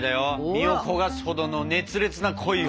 身を焦がすほどの熱烈な恋を。